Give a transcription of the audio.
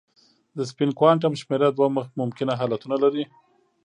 د سپین کوانټم شمېره دوه ممکنه حالتونه لري.